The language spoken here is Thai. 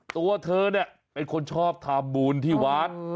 ตัวเธอเนี่ยเป็นคนชอบทำบุญที่วัด